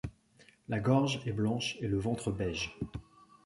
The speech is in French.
La gorge est blanche et le ventre beige.